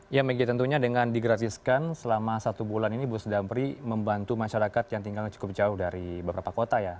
ya megi tentunya dengan digratiskan selama satu bulan ini bus dampri membantu masyarakat yang tinggal cukup jauh dari beberapa kota ya